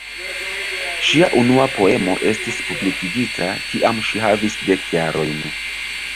Ŝia unua poemo estis publikigita kiam ŝi havis dek jarojn.